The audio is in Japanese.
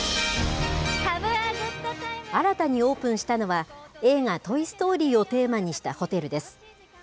新たにオープンしたのは、映画、トイ・ストーリーをテーマにしたホテルです。